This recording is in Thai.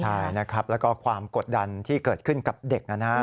ใช่นะครับแล้วก็ความกดดันที่เกิดขึ้นกับเด็กนะครับ